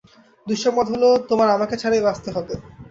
দুঃসংবাদ হলো তোমার আমাকে ছাড়াই বাঁচতে হবে।